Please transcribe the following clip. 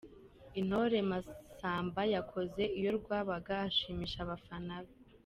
Intore Masamba yakoze iyo bwabaga ashimisha abafana be.